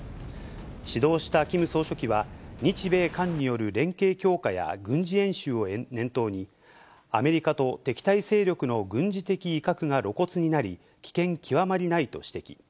指導したキム総書記は、日米韓による連携強化や軍事演習を念頭に、アメリカと敵対勢力の軍事的威嚇が露骨になり、危険極まりないと指摘。